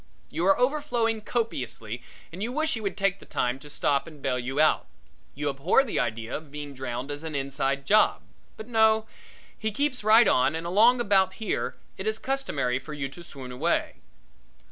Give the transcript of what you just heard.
You are overflowing copiously and you wish he would take the time to stop and bail you out. You abhor the idea of being drowned as an inside job. But no, he keeps right on and along about here it is customary for you to swoon away.